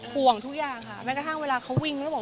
ห่วงทุกอย่างแรงข้างเวลาเขาวิ่ง